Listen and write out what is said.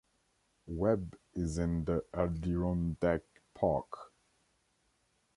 Webb is in the Adirondack Park.